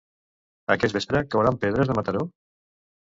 Aquest vespre cauran pedres a Mataró?